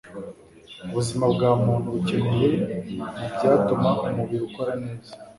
Ubuzima bwa muntu bukeneye mu byatuma umubiri ukora neza,